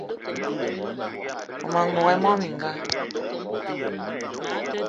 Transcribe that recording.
Mmema n'gogué mona mininga